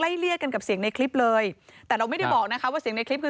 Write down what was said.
เลี่ยกันกับเสียงในคลิปเลยแต่เราไม่ได้บอกนะคะว่าเสียงในคลิปคือ